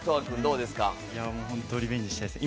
本当リベンジしたいですね。